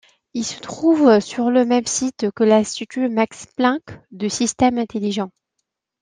Il se trouve sur le même site que l'Institut Max-Planck de systèmes intelligents.